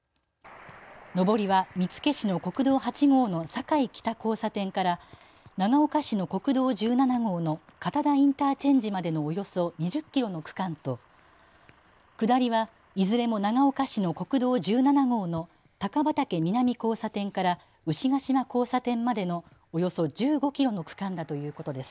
上りは見附市の国道８号の坂井北交差点から長岡市の国道１７号の片田インターチェンジまでのおよそ２０キロの区間と下りはいずれも長岡市の国道１７号の高畑南交差点から牛ケ島交差点までのおよそ１５キロの区間だということです。